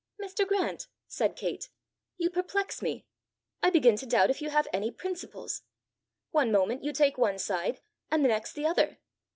"Mr. Grant," said Kate, "you perplex me! I begin to doubt if you have any principles. One moment you take one side and the next the other!"